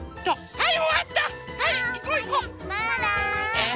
はい！